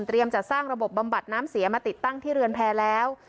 จัดสร้างระบบบำบัดน้ำเสียมาติดตั้งที่เรือนแพร่แล้ว